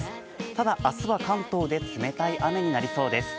ただ明日は関東で冷たい雨になりそうです。